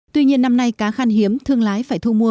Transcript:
tuy nhiên năm nay cá khan hiếm thương lái phải thu mua